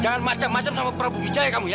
jangan macam macam sama prabu wijaya kamu ya